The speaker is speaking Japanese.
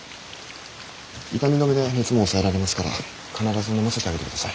痛み止めで熱も抑えられますから必ずのませてあげてください。